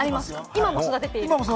今も育ててます。